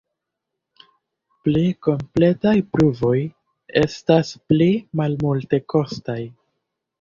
Pli kompletaj pruvoj estas pli malmultekostaj.